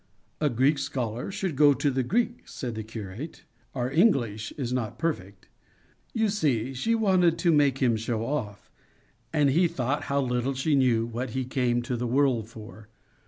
"A Greek scholar should go to the Greek," said the curate. "Our English is not perfect. You see she wanted to make him show off, and he thought how little she knew what he came to the world for.